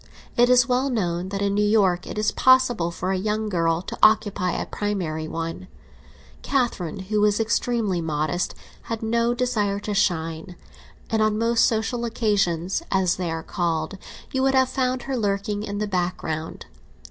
It is well known that in New York it is possible for a young girl to occupy a primary one. Catherine, who was extremely modest, had no desire to shine, and on most social occasions, as they are called, you would have found her lurking in the background.